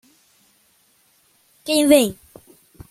Quem vem?